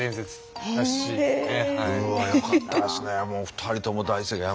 もう２人とも大正解。